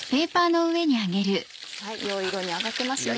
はい良い色に揚がってますね。